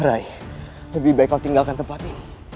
rai lebih baik kau tinggalkan tempat ini